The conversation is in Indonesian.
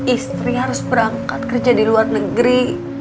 istri harus berangkat kerja di luar negeri